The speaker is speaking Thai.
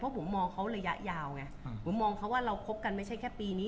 ผมมองเขาระยะยาวไงผมมองเขาว่าเราคบกันไม่ใช่แค่ปีนี้